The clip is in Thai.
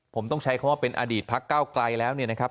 ผมต้องใช้คำว่าเป็นอดีตพักเก้าไกลแล้วเนี่ยนะครับ